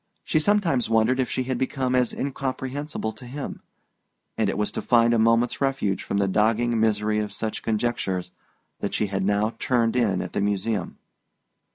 She sometimes wondered if she had become as incomprehensible to him; and it was to find a moment's refuge from the dogging misery of such conjectures that she had now turned in at the Museum.